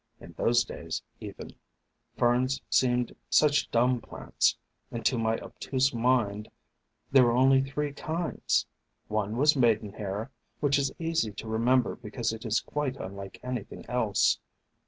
In those days even, Ferns seemed such dumb plants; and, to my obtuse mind, there were only three kinds. One was Maidenhair, which is easy to remember because it is quite unlike anything else.